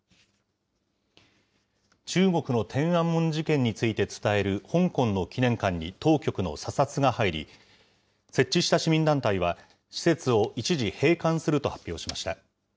中国の天安門事件について伝える香港の記念館に当局の査察が入り、設置した市民団体は、施設を一時、閉館すると発表しました。